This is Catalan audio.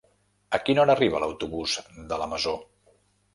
A quina hora arriba l'autobús de la Masó?